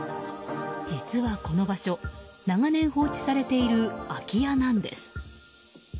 実はこの場所長年放置されている空き家なんです。